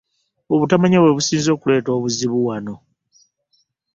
Obutamanya bwe businze okuleeta obuzibu wano.